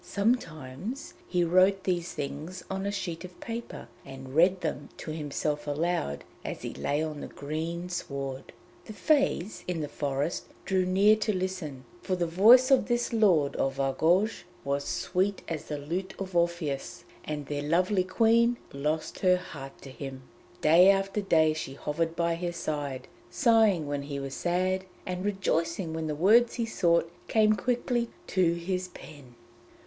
Sometimes he wrote these things on a sheet of paper and read them to himself aloud as he lay on the green sward. The Fées in the forest drew near to listen, for the voice of this lord of Argouges was sweet as the lute of Orpheus, and their lovely Queen lost her heart to him. Day after day she hovered by his side, sighing when he was sad, and rejoicing when the words he sought came quickly to his pen.